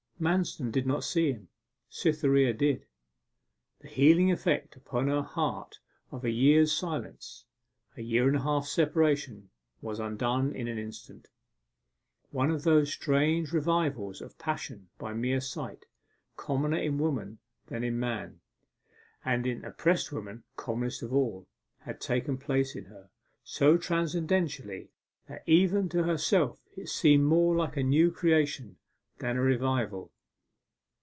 Manston did not see him; Cytherea did. The healing effect upon her heart of a year's silence a year and a half's separation was undone in an instant. One of those strange revivals of passion by mere sight commoner in women than in men, and in oppressed women commonest of all had taken place in her so transcendently, that even to herself it seemed more like a new creation than a revival.